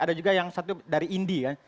ada juga yang satu dari indi ya